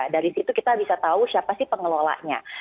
dari situ kita bisa tahu siapa sih pengelolanya